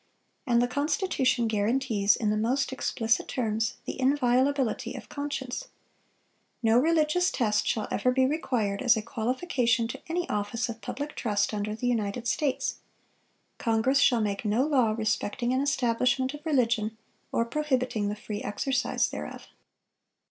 And the Constitution guarantees, in the most explicit terms, the inviolability of conscience: "No religious test shall ever be required as a qualification to any office of public trust under the United States." "Congress shall make no law respecting an establishment of religion, or prohibiting the free exercise thereof."